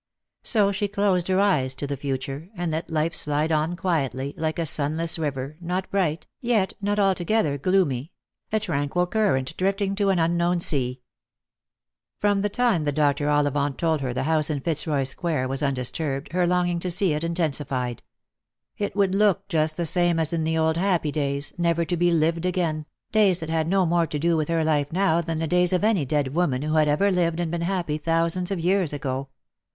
So she closed her eyes to the future, and let life slide on quietly, like a sunless river, not bright, yet not altogether gloomy ; a tranquil current drifting to an unknown sea. From the time that Dr. Ollivant told her the house in Fitzroy square was undisturbed her longing to see it intensified. It would look just the same as in the old happy days, never to be lived again — days that had no more to do with her life now than the days of any dead woman who had ever lived and been happy thousands of years ago.